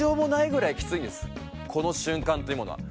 この瞬間というものは。